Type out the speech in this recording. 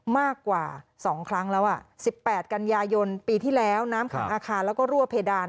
มากกว่า๒ครั้งแล้ว๑๘กันยายนปีที่แล้วน้ำขังอาคารแล้วก็รั่วเพดาน